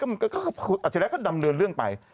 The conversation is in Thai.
คุณอัจฉริยะก็ดำเนินเรื่องไป